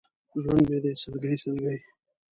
ژوند مې دی سلګۍ، سلګۍ!